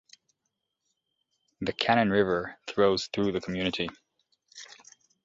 The Cannon River flows through the community.